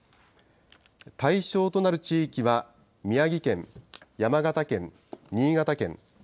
対象となる地域は、宮城県、山形県、新潟県。